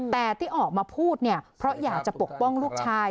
แต่ที่ออกมาพูดเนี่ยเพราะอยากจะปกป้องลูกชาย